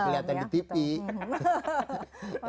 yang terlihat di tv